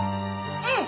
うん。